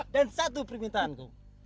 dan satu permintaanku